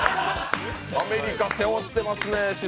アメリカ背負ってますね。